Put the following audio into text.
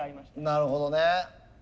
なるほどね。